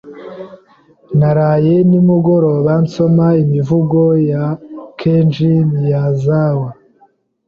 Naraye nimugoroba nsoma imivugo ya Kenji Miyazawa.